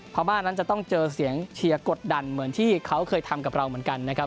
พม่านั้นจะต้องเจอเสียงเชียร์กดดันเหมือนที่เขาเคยทำกับเราเหมือนกันนะครับ